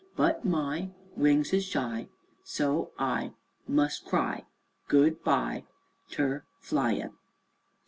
But my Wings is shy, So I mus' cry Good bye Ter fly in'."